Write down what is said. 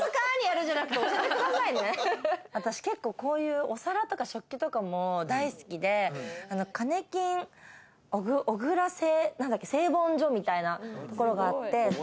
私、お皿とか食器とかも大好きで、カネキン小椋製盆所みたいなところがあって。